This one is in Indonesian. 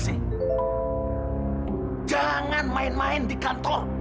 nona kalau dilihat